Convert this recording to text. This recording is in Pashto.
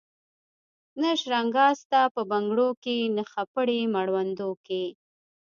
نه شرنګا سته په بنګړو کي نه خپړي مړوندو کي